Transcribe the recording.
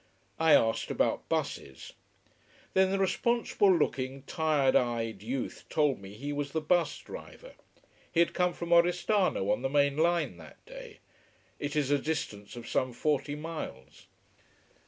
I asked about buses. Then the responsible looking, tired eyed youth told me he was the bus driver. He had come from Oristano, on the main line, that day. It is a distance of some forty miles.